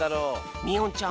みおんちゃん